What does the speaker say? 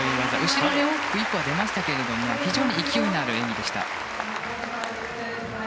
後ろで大きく１歩出ましたけど非常に勢いのある演技でした。